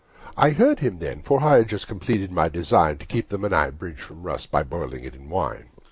I heard him then, for I had just Completed my design To keep the Menai bridge from rust By boiling it in wine.